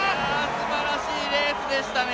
すばらしいレースでしたね。